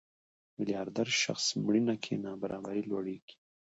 میلیاردر شخص مړینه کې نابرابري لوړېږي.